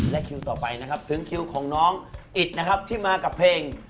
และคิวต่อไปนะครับถึงคิวของน้องอิตนะครับที่มากับเพลง